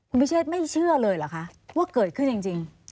คุณพิเชษไม่เชื่อเลยเหรอคะว่าเกิดขึ้นจริง